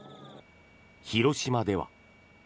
広島では。